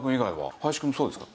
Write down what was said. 林くんもそうですか？